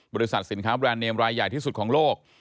บริษัทสินค้าแบรนดเนมรายใหญ่ที่สุดของโลก